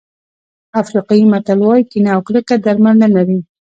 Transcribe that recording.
افریقایي متل وایي کینه او کرکه درمل نه لري.